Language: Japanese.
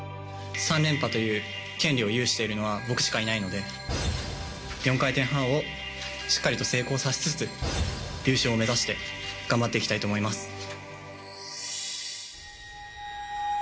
３連覇という権利を有しているのは僕しかいないので、４回転半をしっかりと成功させつつ優勝を目指したいと思います。